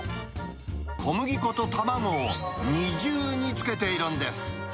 小麦粉と卵を二重につけているんです。